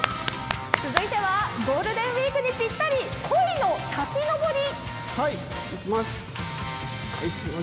続いては、ゴールデンウイークにぴったり、こいの滝登り。